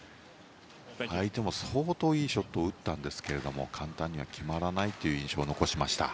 相手も相当いいショットを打ったんですが簡単には決まらないという印象を残しました。